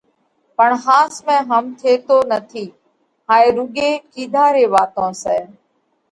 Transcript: پڻ ۿاس ۾ هم ٿيتو نٿِي، هائي رُوڳي ڪِيڌا ري واتون سئہ۔